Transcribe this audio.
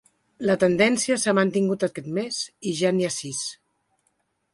La tendència s’ha mantingut aquest mes i ja n’hi ha sis.